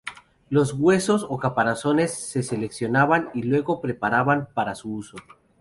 Los huesos o caparazones se seleccionaban y luego preparaban para su uso.